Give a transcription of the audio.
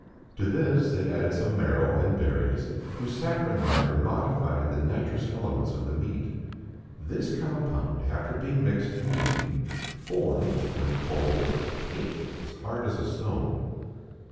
To this they added'some marrow and berries, whose saccharine matter modified the nitrous elements of the meat. This compound, after being mixed and beaten, formed, when cold, a cake as hard as a stone.